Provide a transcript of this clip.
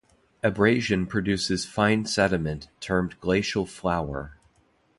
Abrasion produces fine sediment, termed glacial flour.